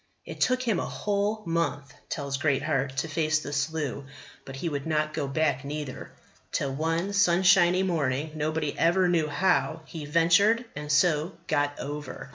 "It took him a whole month," tells Greatheart, "to face the Slough. But he would not go back neither. Till, one sunshiny morning, nobody ever knew how, he ventured, and so got over.